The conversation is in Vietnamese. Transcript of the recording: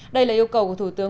đây là yêu cầu của thủ tướng